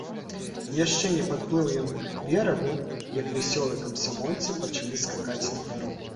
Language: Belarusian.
Яшчэ не падплыў ён к берагу, як вясёлыя камсамольцы пачалі скакаць на паром.